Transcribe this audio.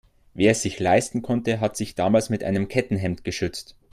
Wer es sich leisten konnte, hat sich damals mit einem Kettenhemd geschützt.